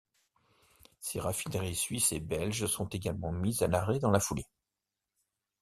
Ses raffineries suisse et belge sont également mises à l'arrêt dans la foulée.